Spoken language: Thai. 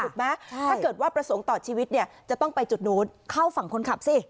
ถ้าเกิดว่าประสงค์ต่อชีวิตเนี่ยจะต้องไปจุดนู้นเข้าฝั่งคนขับสิ